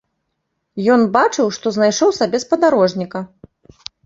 Ён бачыў, што знайшоў сабе спадарожніка.